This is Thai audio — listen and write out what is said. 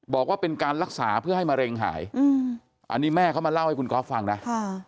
บอกว่าเป็นการรักษาเพื่อให้มะเร็งหายอันนี้แม่เขามาเล่าให้คุณก๊อฟฟังนะ